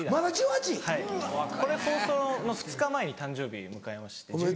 はいこれ放送の２日前に誕生日迎えまして１９歳に。